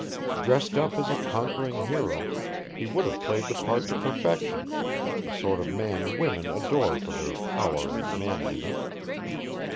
Dressed up as a conquering hero he would have played the part to perfection, the sort of man women adore for their "power" and manliness.